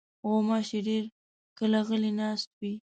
غوماشې ډېر کله غلې ناستې وي.